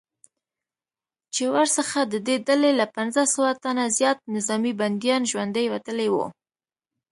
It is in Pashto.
چې ورڅخه ددې ډلې له پنځه سوه تنه زیات نظامي بندیان ژوندي وتلي وو